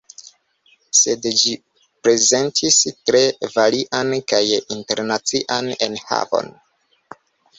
Sed ĝi prezentis tre varian kaj internacian enhavon.